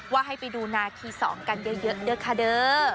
ว่าให้ไปดูนาที๒กันเยอะเด้อค่ะเด้อ